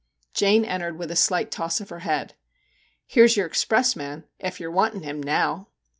Jane entered with a slight toss of her head. ' Here 's your expressman ef you 're wantin' him now.'